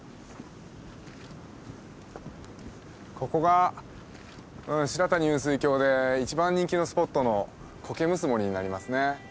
ここが白谷雲水峡で一番人気のスポットの苔むす森になりますね。